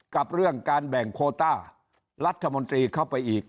กับเรื่องการแบ่งโคต้ารัฐมนตรีเข้าไปอีก